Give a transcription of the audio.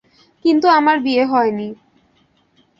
কিন্তু আমার বিয়ে হয় নি।